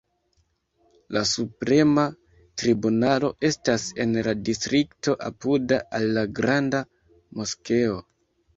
La Suprema Tribunalo estas en la distrikto apuda al la Granda Moskeo.